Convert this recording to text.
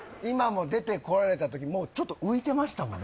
今も出てこられたときもうちょっと浮いてました